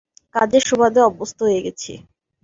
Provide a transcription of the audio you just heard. কাজের সুবাদে অভ্যস্ত হয়ে গেছি।